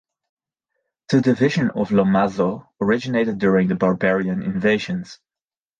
The division of Lomazzo originated during the barbarian invasions.